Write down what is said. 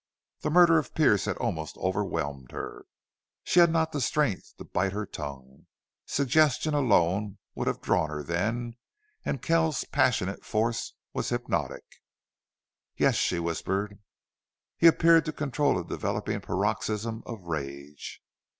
The murder of Pearce had almost overwhelmed her. She had not the strength to bite her tongue. Suggestion alone would have drawn her then and Kells's passionate force was hypnotic. "Yes," she whispered. He appeared to control a developing paroxysm of rage.